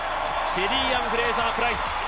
シェリーアン・フレイザー・プライス。